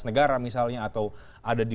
negara misalnya atau ada di